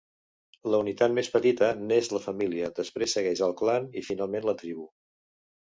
La unitat més petita n'és la família, després segueix el clan i finalment, la tribu.